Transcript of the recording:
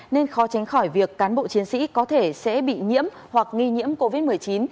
nên khó tránh khỏi việc cán bộ chiến sĩ có thể sẽ bị nhiễm hoặc nghi nhiễm covid một mươi chín